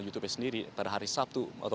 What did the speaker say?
youtube nya sendiri pada hari sabtu atau